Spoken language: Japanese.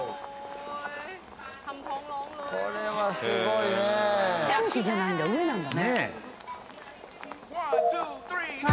これはすごいね下に火じゃないんだ上なんだねわあ